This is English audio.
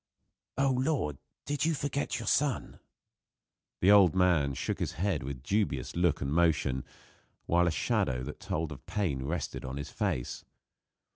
"My lord! Do you forget your son?" The old man shook his head with dubious look and motion, while a shadow that told of pain rested on his face.